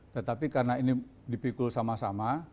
tetapi karena ini dipikul sama sama